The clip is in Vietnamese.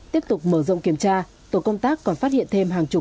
tiếp tục mở rộng kiểm tra